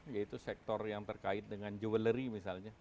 yaitu sektor yang terkait dengan jewellery misalnya